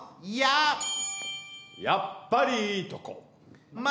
やっぱりいいとこ。